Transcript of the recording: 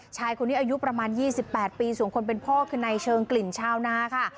ชายคนนี้อายุประมาณ๒๘ปีส่วนคนเป็นพ่อคือในเชิงกลิ่นชาวนาค่ะ